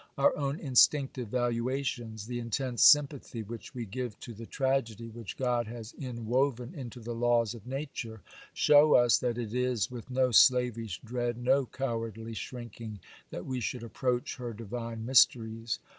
Our own instinctive valuations, the intense sympathy which we give to the tragedy which God has inwoven into the laws of Nature, show us that it is with no slavish dread, no cowardly shrinking, that we should approach her divine mysteries.